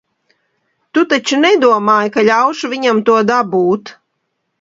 Tu taču nedomāji, ka ļaušu viņam to dabūt?